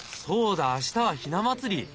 そうだ明日はひな祭り！